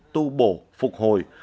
tu bổ phục hồi